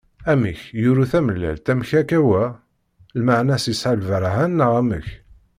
Amek! yuru tamellalt, amek akka wa? Lmeɛna-s yesɛa lberhan neɣ amek?